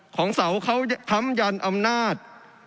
ของเสาเขาค้ำยันอำนาจ